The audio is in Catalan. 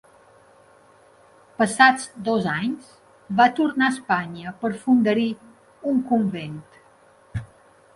Passats dos anys, va tornar a Espanya per a fundar-hi un convent.